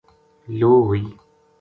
لو ہوئی